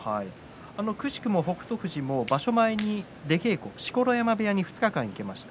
くしくも北勝富士も場所前に出稽古、錣山部屋に２日間に行きました。